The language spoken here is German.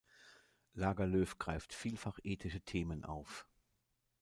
Lagerlöf greift vielfach ethische Themen auf.